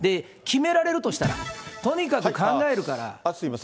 決められるとしたら、とにかく考えるから。